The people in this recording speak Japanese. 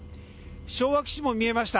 昭和基地も見えました。